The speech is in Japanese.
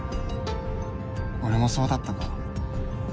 俺もそうだったから